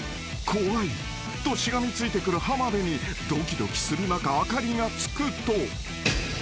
［怖いとしがみついてくる浜辺にドキドキする中明かりがつくと］